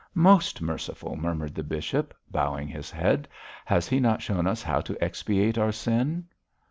'Most merciful,' murmured the bishop, bowing his head. 'Has He not shown us how to expiate our sin?'